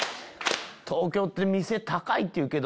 東京って店高いっていうけど。